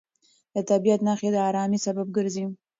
د طبیعت نښې د ارامۍ سبب ګرځي.